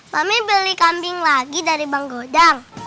kami beli kambing lagi dari bang godang